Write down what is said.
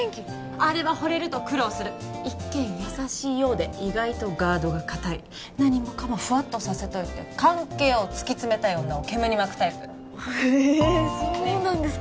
あれはホレると苦労する一見優しいようで意外とガードが堅い何もかもフワッとさせといて関係を突き詰めたい女をケムにまくタイプへえそうなんですか